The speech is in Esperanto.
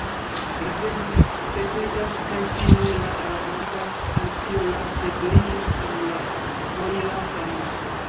“Revenu, mi petegas, kaj finu la rakonton,” Alicio laŭte kriis al la foriranta Muso.